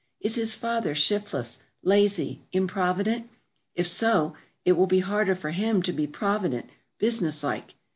Is his father shiftless, lazy, improvident? If so, it will be harder for him to be provident, business like.